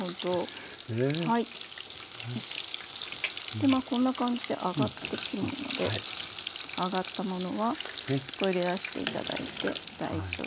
でまあこんな感じで揚がってくるので揚がったものはこれで出して頂いて大丈夫です。